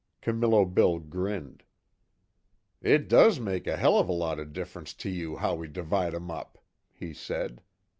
Camillo Bill grinned: "It does make a hell of a lot of difference to you how we divide 'em up," he said.